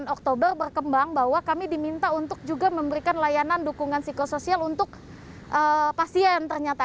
sembilan oktober berkembang bahwa kami diminta untuk juga memberikan layanan dukungan psikosoial untuk pasien ternyata